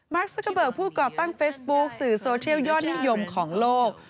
ซักเกอร์เบิกผู้ก่อตั้งเฟซบุ๊คสื่อโซเทียลยอดนิยมของโลก